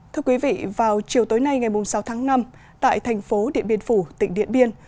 thưa quý vị vào chiều tối nay ngày sáu tháng năm tại thành phố điện biên phủ tỉnh điện biên